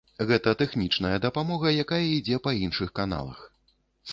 Гэта тэхнічная дапамога, якая ідзе па іншых каналах.